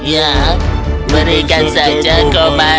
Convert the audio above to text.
ya berikan saja kau baik baik saja